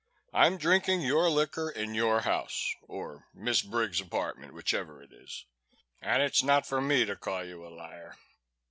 "I'm drinking your liquor in your house or Miss Briggs' apartment, whichever it is and it's not for me to call you a liar."